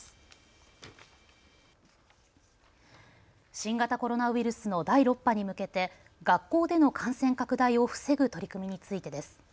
新型コロナウイルスの第６波に向けて学校での感染拡大を防ぐ取り組みについてです。